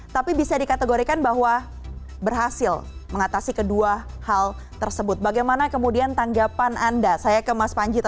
tapi bisa dikategorikan sebagai negara yang berhasil mengendalikan krisis kesehatan dan ekonomi akibat adanya pandemi covid sembilan belas